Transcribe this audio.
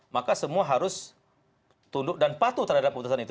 maka semua harus tunduk dan patuh terhadap putusan itu